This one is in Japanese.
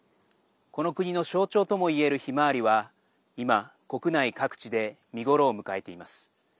この国の象徴ともいえるひまわりは今国内各地で見頃を迎えています。